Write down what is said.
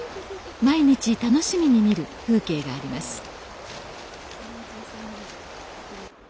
毎日楽しみに見る風景があります